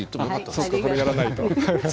そっかこれやらないと。